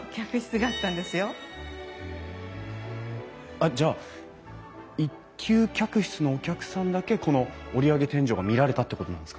あっじゃあ１級客室のお客さんだけこの折り上げ天井が見られたってことなんですか？